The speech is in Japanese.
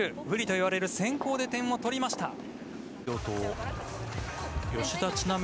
不利といわれる先攻で点を取りました。